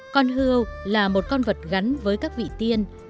con hư là một con vật gắn với các vị tiên